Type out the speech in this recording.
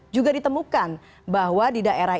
juga ditemukan bahwa di daerah